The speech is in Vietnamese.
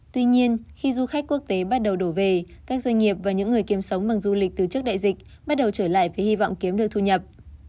tuy nhiên khi du khách quốc tế bắt đầu đổ về các doanh nghiệp và những người kiếm sống bằng du lịch từ trước đại dịch bắt đầu trở lại với hy vọng kiếm được thu nhập